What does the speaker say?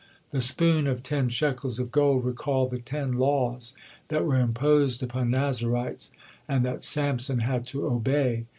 The spoon of ten shekels of gold recalled the ten laws that are imposed upon Nazirites, and that Samson had to obey.